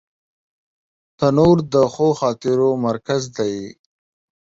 تنور د ښو خاطرو مرکز دی